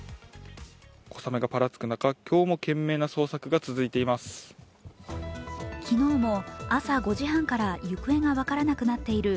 小雨がぱらつくなか、今日も懸命な捜索が続いています。